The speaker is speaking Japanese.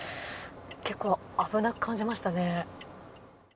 結構危なく感じましたね。